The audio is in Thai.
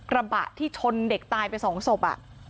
ระบะที่ชนเด็กตายไปสองศพ